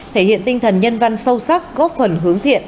thể hiện tinh thần nhân văn sâu sắc góp phần hướng thiện